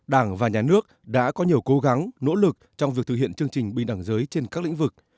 đảng và nhà nước đã có nhiều cố gắng nỗ lực trong việc thực hiện chương trình bình đẳng giới trên các lĩnh vực